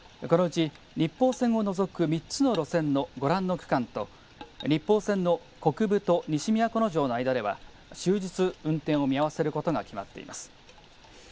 このうち日豊線を除く３つの路線のご覧の区間と日豊線の国分と西都城の間では終日運転を見合わせることが決まっています。